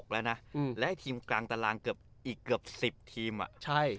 ๖แล้วนะแล้วไอ้ทีมกลางตารางอีกเกือบ๑๐ทีมอ่ะ